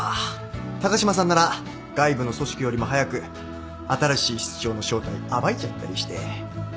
高島さんなら外部の組織よりも早く新しい室長の正体暴いちゃったりして